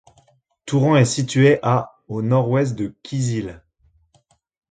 Touran est située à au nord-ouest de Kyzyl.